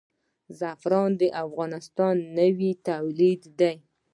زعفران د افغانستان نوی تولید دی.